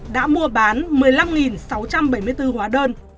đã mua bán một mươi năm sáu trăm bảy mươi bốn hóa đơn